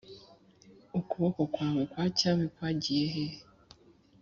ukuboko kwawe kwa cyami kwagiyehe